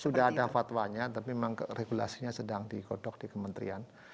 sudah ada fatwanya tapi memang regulasinya sedang digodok di kementerian